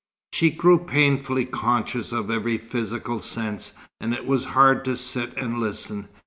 She grew painfully conscious of every physical sense, and it was hard to sit and listen.